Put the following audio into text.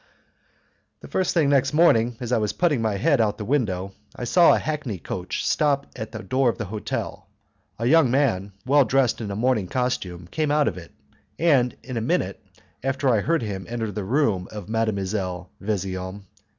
The first thing next morning, as I was putting my head out of the window, I saw a hackney coach stop at the door of the hotel; a young man, well dressed in a morning costume, came out of it, and a minute after I heard him enter the room of Mdlle. Vesian.